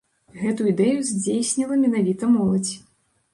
Гэту ідэю здзейсніла менавіта моладзь.